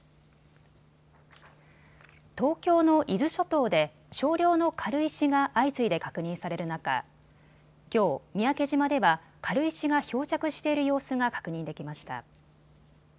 東京の伊豆諸島で少量の軽石が相次いで確認される中、きょう、三宅島では軽石が漂着している様子が確認できました。